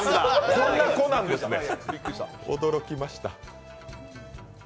こんな子なんですね、驚きました。